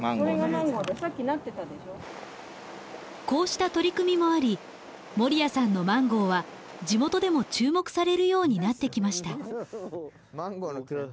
こうした取り組みもあり守屋さんのマンゴーは地元でも注目されるようになってきました。